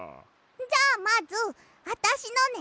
じゃあまずあたしのね！